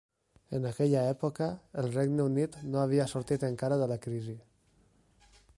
En aquella època, el Regne Unit no havia sortit encara de la crisi.